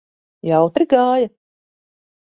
Jautri gāja?